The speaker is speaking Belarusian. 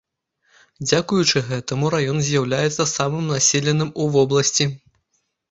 Дзякуючы гэтаму раён з'яўляецца самым населеным у вобласці.